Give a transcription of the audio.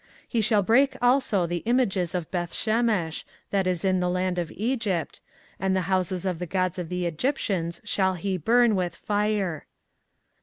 24:043:013 He shall break also the images of Bethshemesh, that is in the land of Egypt; and the houses of the gods of the Egyptians shall he burn with fire.